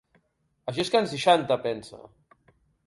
Això és can seixanta, pensa.